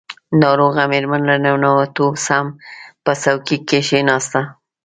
ناروغه مېرمن له ننوتو سم په څوکۍ کښېناسته.